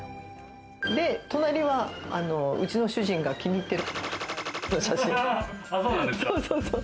隣は、うちの主人が気に入っている。